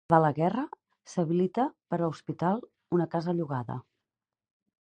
Acabada la guerra, s'habilita per a hospital una casa llogada.